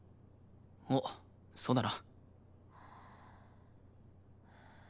おうそうだな。